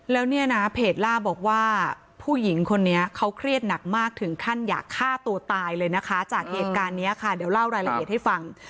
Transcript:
แล้วเนี่ยนะเพจล่าบอกว่าผู้หญิงคนนี้เขาเครียดหนักมากถึงขั้นอยากฆ่าตัวตายเลยนะคะจากเหตุการณ์นี้ค่ะเดี๋ยวเล่ารายละเอียดให้ฟัง